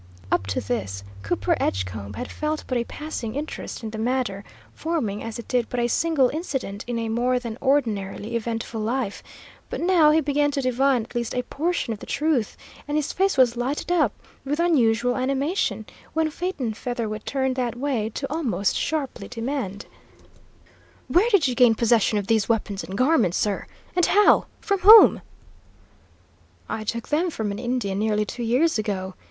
Up to this, Cooper Edgecombe had felt but a passing interest in the matter, forming as it did but a single incident in a more than ordinarily eventful life; but now he began to divine at least a portion of the truth, and his face was lighted up with unusual animation, when Phaeton Featherwit turned that way, to almost sharply demand: "Where did you gain possession of these weapons and garments, sir? And how, from whom?" "I took them from an Indian, nearly two years ago.